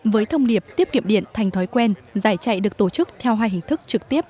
với thông điệp tiết kiệm điện thành thói quen giải chạy được tổ chức theo hai hình thức trực tiếp